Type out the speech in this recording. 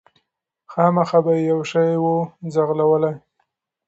خامخا به یې یو شی وو ځغلولی